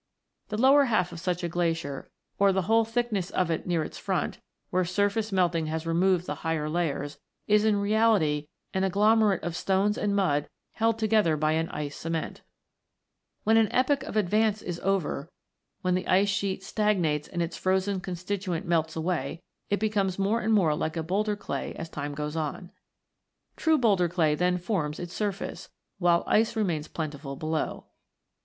The lower half of such a glacier, or the whole thickness of it near its front, where surface melting has removed the higher layers, is in reality an agglomerate of stones and mud held together by an ice cement (Fig. 12). When an epoch of advance is over, when the ice sheet stagnates and its frozen constituent melts away, it becomes more and more like a boulder clay as time goes on. True boulder clay then forms its surface, while ice remains plentiful below.